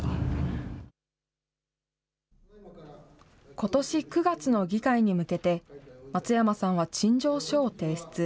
ことし９月の議会に向けて、松山さんは陳情書を提出。